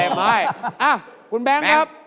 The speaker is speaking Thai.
เอ้าคุณแบงค์ครับ